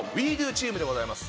チームでございます。